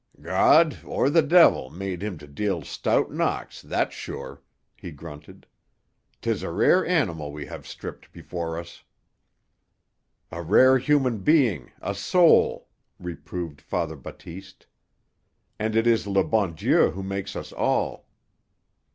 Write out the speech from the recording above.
"God—or the de'il—made him to deal stout knocks, that's sure," he grunted. "'Tis a rare animal we have stripped before us." "A rare human being—a soul," reproved Father Batiste. "And it is le bon Dieu who makes us all."